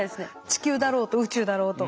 地球だろうと宇宙だろうと。